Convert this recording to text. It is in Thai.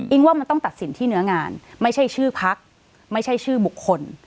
ว่ามันต้องตัดสินที่เนื้องานไม่ใช่ชื่อพักไม่ใช่ชื่อบุคคล